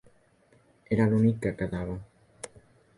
Era l’únic que quedava.